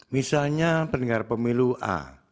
misalnya pendengar pemilu a